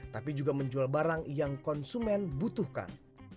tapi juga menjual barang yang konsumen butuhkan